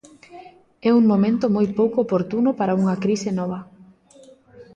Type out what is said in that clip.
É un momento moi pouco oportuno para unha crise nova.